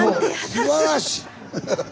すばらしい！